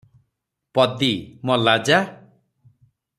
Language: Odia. ପଦୀ - ମଲା ଯା!